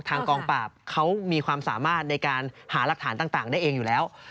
กองปราบเขามีความสามารถในการหารักฐานต่างได้เองอยู่แล้ว